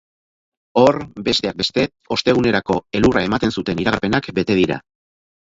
Hor, besteak beste, ostegunerako elurra ematen zuten iragarpenak bete dira.